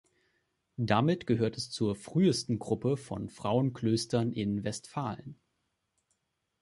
Damit gehörte es zur frühesten Gruppe von Frauenklöstern in Westfalen.